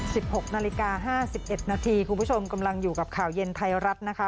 หกนาฬิกาห้าสิบเอ็ดนาทีคุณผู้ชมกำลังอยู่กับข่าวเย็นไทยรัฐนะคะ